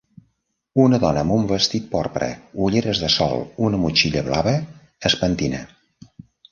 una dona amb un vestit porpra, ulleres de sol una motxilla blava es pentina